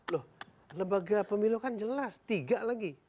loh lembaga pemilu kan jelas tiga lagi